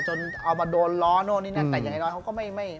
จนเอามาโดนล้อโน้นนี่นั่นแต่ยังไงล่ะเขาก็ไม่